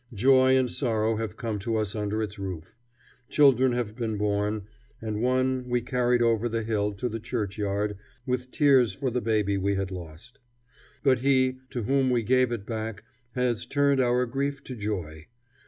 Joy and sorrow have come to us under its roof. Children have been born, and one we carried over the hill to the churchyard with tears for the baby we had lost. But He to whom we gave it back has turned our grief to joy.